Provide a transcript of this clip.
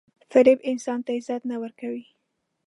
• فریب انسان ته عزت نه ورکوي.